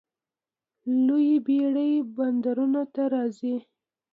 لویې بیړۍ بندرونو ته راځي.